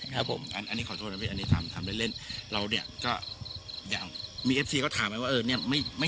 ครับผมอันนี้ขอโทษนะพี่อันนี้ทำทำเล่นเล่นเราเนี่ยก็อย่างมีเอฟซีก็ถามไปว่าเออเนี่ยไม่ไม่